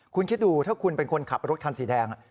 คุณคิดดูถ้าคุณเป็นคนขับรถคันสีแดง